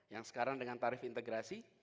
yang sekarang dengan tarif integrasi